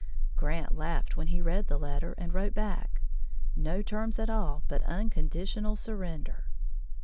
Grant laughed when he read the letter and wrote back: "No terms at all but unconditional surrender!"